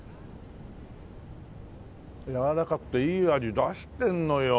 やわらかくていい味出してんのよ。